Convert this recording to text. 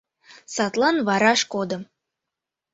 Садлан вараш кодым.